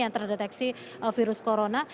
untuk mendeteksi virus corona